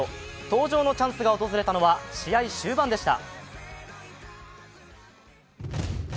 登場のチャンスが訪れたのは、試合終盤でした。